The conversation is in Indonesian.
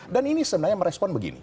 ini sebenarnya merespon begini